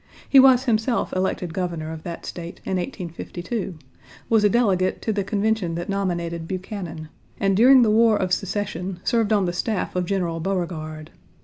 He was himself elected Governor of that State in 1852, was a delegate to the convention that nominated Buchanan, and during the War of Secession served on the staff of General Beauregard.